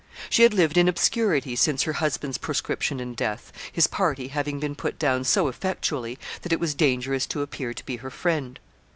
She had lived in obscurity since her husband's proscription and death, his party having been put down so effectually that it was dangerous to appear to be her friend.